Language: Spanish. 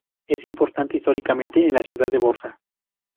Es importante históricamente la ciudad de Bosra.